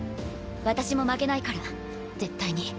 私も負けないから絶対に。